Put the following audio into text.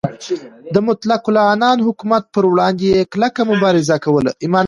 د مطلق العنان حکومت پروړاندې یې کلکه مبارزه کوله.